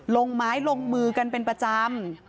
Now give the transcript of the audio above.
ลงไม้ลงมือกันเป็นประจำ